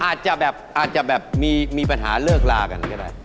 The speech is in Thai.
อาจจะแบบอาจจะแบบมีปัญหาเลิกลากันก็ได้